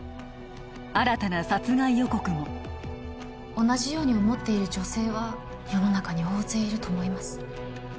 新たな殺害予告も同じように思っている女性は世の中に大勢いると思います